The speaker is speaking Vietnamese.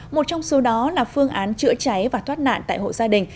một trong số đó là phương án chữa cháy và thoát nạn tại hộ gia đình